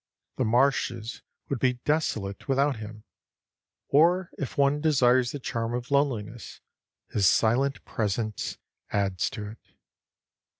The marshes would be desolate without him, or if one desires the charm of loneliness, his silent presence adds to it.